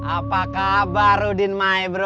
apakah baru dinmai bro